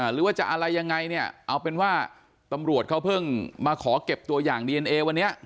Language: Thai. หรือว่าจะอะไรยังไงเนี่ยเอาเป็นว่าตำรวจเขาเพิ่งมาขอเก็บตัวอย่างดีเอนเอวันนี้